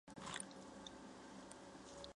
伊朗空军。